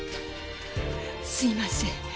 すいません。